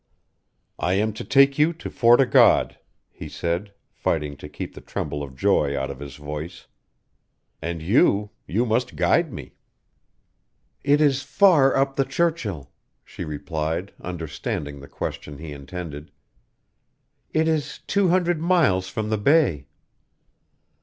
"I am to take you to Fort o' God," he said, fighting to keep the tremble of joy out of his voice. "And you you must guide me." "It is far up the Churchill," she replied, understanding the question he intended. "It is two hundred miles from the Bay."